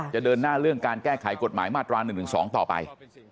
เดินหน้าเรื่องการแก้ไขกฎหมายมาตรา๑๑๒ต่อไป